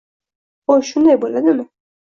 - Xo'sh, shunday bo'ladimi?